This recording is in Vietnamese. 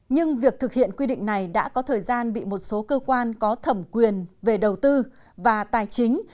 nhưng việc thực hiện quy định này đã có thời gian bị một số cơ quan có thẩm quyền về đầu tư và tài chính